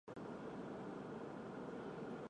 佩盖罗勒德莱斯卡莱特。